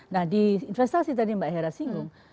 nah di investasi tadi mbak hera singgung